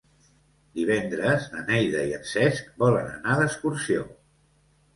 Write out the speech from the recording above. Divendres na Neida i en Cesc volen anar d'excursió.